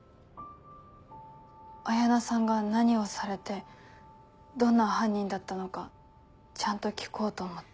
彩菜さんが何をされてどんな犯人だったのかちゃんと聞こうと思って。